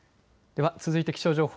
では、続いて気象情報。